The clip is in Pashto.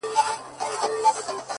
بیرته چي یې راوړې. هغه بل وي زما نه .